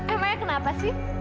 emangnya kenapa sih